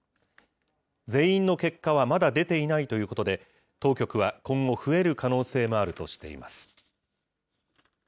全員の結果はまだ出ていないということで、当局は今後、増える可能性もあるとしています。